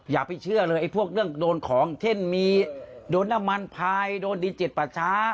อย่าไปเชื่อเลยไอ้พวกเรื่องโดนของเช่นมีโดนน้ำมันพายโดนดินเจ็ดประชา